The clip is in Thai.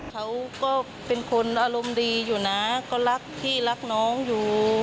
เขาก็เป็นคนอารมณ์ดีอยู่นะก็รักพี่รักน้องอยู่